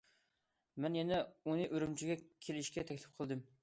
مەن يەنە ئۇنى ئۈرۈمچىگە كېلىشكە تەكلىپ قىلدىم.